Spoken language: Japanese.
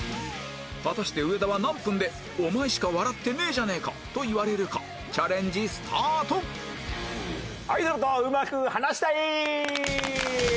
果たして上田は何分で「お前しか笑ってねえじゃねえか！」と言われるかチャレンジスタート！アイドルと上手く話したい！